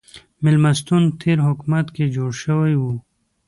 مېلمستون تېر حکومت کې جوړ شوی و.